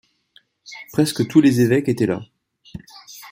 Presque tous les évêques étaient là.